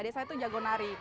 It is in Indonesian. adik saya itu jago nari